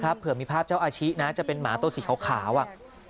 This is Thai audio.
เผื่อมีภาพเจ้าอาชินะจะเป็นหมาตัวสีขาวอ่ะ